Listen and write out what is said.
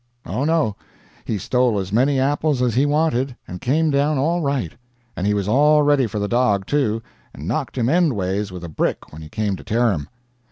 Oh, no; he stole as many apples as he wanted and came down all right; and he was all ready for the dog, too, and knocked him endways with a brick when he came to tear him.